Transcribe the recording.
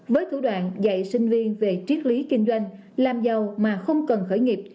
với thủ đoạn dạy sinh viên về triết lý kinh doanh làm giàu mà không cần khởi nghiệp